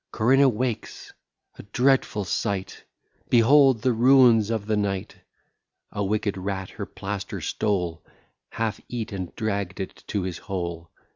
Corinna wakes. A dreadful sight! Behold the ruins of the night! A wicked rat her plaster stole, Half eat, and dragg'd it to his hole.